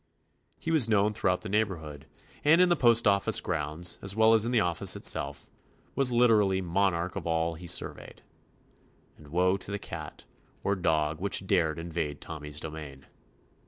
He was known throughout the neighborhood, and in the post office grounds, as well as in the office itself, was literally "monarch of all he surveyed" ; and woe to the cat, or dog, which dared invade Tommy's domain.